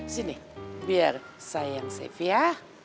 sini biar sayang safe ya